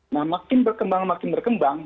nah makin berkembang makin berkembang